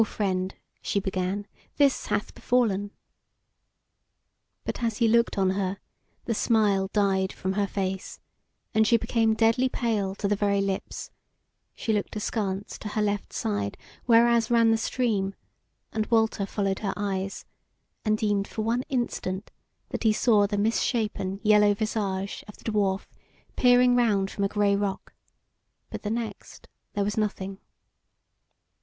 "O friend," she began, "this hath befallen." But as he looked on her, the smile died from her face, and she became deadly pale to the very lips; she looked askance to her left side, whereas ran the stream; and Walter followed her eyes, and deemed for one instant that he saw the misshapen yellow visage of the dwarf peering round from a grey rock, but the next there was nothing.